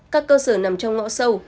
các cơ sở nằm trong ngõ sâu